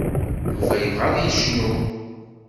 Yuba yebɣa ad yecnu.